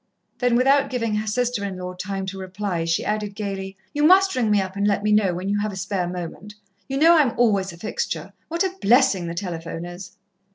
Then, without giving her sister in law time to reply, she added gaily, "You must ring me up and let me know, when you've a spare moment. You know I'm always a fixture. What a blessing the telephone is!"